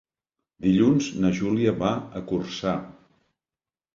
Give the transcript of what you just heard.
Dilluns na Júlia va a Corçà.